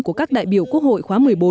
của các đại biểu quốc hội khóa một mươi bốn